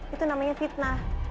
itu namanya fitnah